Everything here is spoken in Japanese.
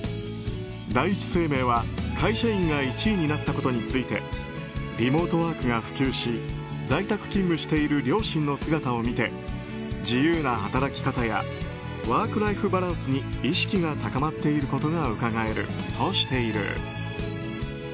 第一生命は会社員が１位になったことについてリモートワークが普及し在宅勤務している両親の姿を見て自由な働き方やワークライフバランスに意識が高まっていることがうかがえるとしている。